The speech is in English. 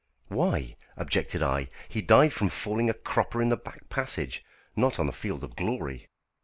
"Why!" objected I, "he died from falling a cropper in the back passage, not on the field of glory."